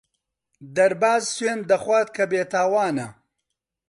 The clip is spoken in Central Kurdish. دەرباز سوێند دەخوات کە بێتاوانە.